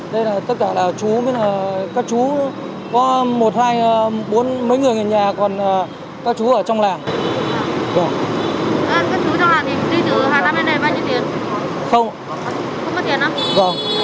đây là tất cả là chú các chú có một hai bốn mấy người ở nhà còn các chú ở trong làng